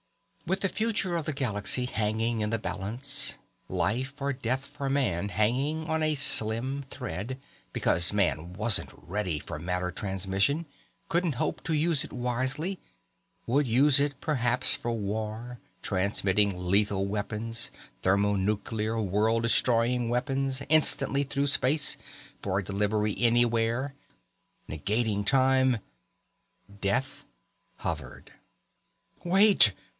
With the future of the galaxy hanging in the balance. Life or death for man hanging on a slim thread, because man wasn't ready for matter transmission, couldn't hope to use it wisely, would use it perhaps for war, transmitting lethal weapons, thermonuclear, world destroying weapons, instantly through space, for delivery anywhere, negating time.... Death hovered. "Wait!"